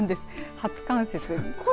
初冠雪。